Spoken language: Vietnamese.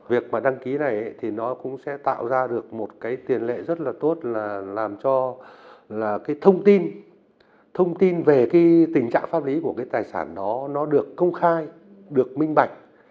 việc đăng ký này thì nó cũng sẽ tạo ra được một tiền lệ rất là tốt làm cho thông tin về tình trạng pháp lý của tài sản đó được công khai được minh bạch